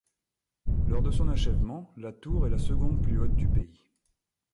Lors de son achèvement, la tour est la seconde plus haute du pays.